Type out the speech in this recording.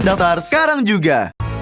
daftar sekarang juga